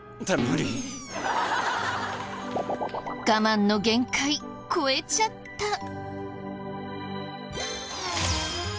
我慢の限界超えちゃった。